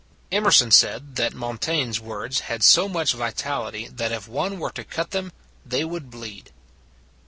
Emerson said that Montaigne s words had so much vitality that if one were to cut them they would bleed.